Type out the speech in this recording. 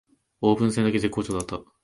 オープン戦だけ絶好調だった